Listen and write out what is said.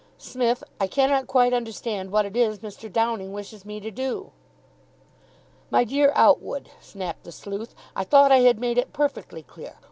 "Smith, I cannot quite understand what it is Mr. Downing wishes me to do." "My dear Outwood," snapped the sleuth, "I thought I had made it perfectly clear.